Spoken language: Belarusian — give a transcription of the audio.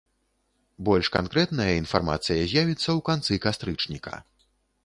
Больш канкрэтная інфармацыя з'явіцца ў канцы кастрычніка.